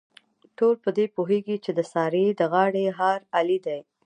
ټول په دې پوهېږي، چې د سارې د غاړې هار علي دی.